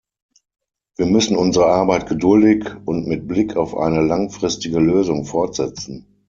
Wir müssen unsere Arbeit geduldig und mit Blick auf eine langfristige Lösung fortsetzen.